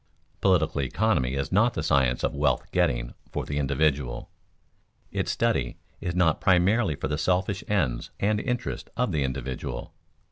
Political economy is not the science of wealth getting for the individual. Its study is not primarily for the selfish ends and interest of the individual.